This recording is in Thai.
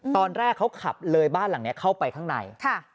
ตอนแรกเขาขับเลยบ้านหลังนี้เข้าไปข้างใน